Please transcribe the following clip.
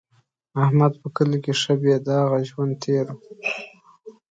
احمد په کلي کې ښه بې داغه ژوند تېر کړ.